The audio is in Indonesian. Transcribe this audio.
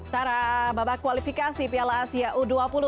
taraaa babak kualifikasi piala asia u dua puluh dua ribu dua puluh tiga